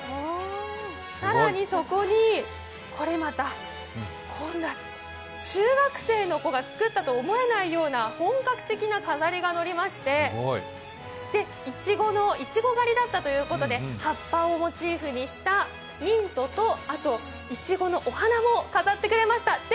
更に、そこにこれまた中学生の子が作ったとは思えないような本格的な飾りがのりましていちご狩りだったということで、葉っぱをモチーフにしたミントと、いちごのお花も飾ってくれました。